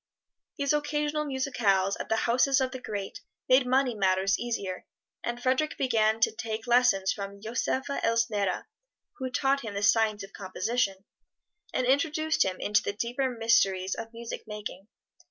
These occasional musicales at the houses of the great made money matters easier, and Frederic began to take lessons from Joseph Elsner, who taught him the science of composition, and introduced him into the deeper mysteries of music making.